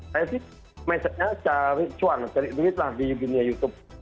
saya sih message nya cari cuan cari duit lah di dunia youtube